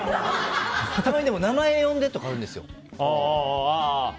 たまに名前呼んでとかあるんですよ。